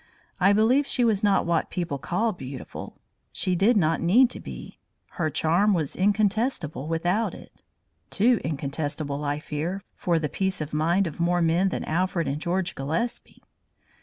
I believe she was not what people call beautiful. She did not need to be; her charm was incontestable without it; too incontestable, I fear, for the peace of mind of more men than Alfred and George Gillespie.